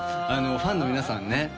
あのファンの皆さんね